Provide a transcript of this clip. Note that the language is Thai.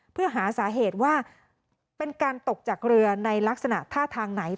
เพื่อหาสาเหตุว่าเป็นการตกจากเรือในลักษณะท่าทางไหน